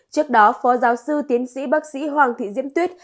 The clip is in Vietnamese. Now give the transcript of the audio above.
trước đó phó giáo sư tiến sĩ bác sĩ hoàng thị diễm tuyết